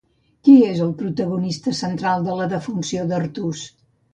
Qui és el protagonista central de la defunció d'Artús?